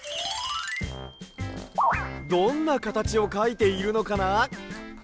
どんなかたちをかいているのかな？